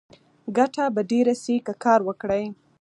ګټه به ډېره شي که کار وکړې.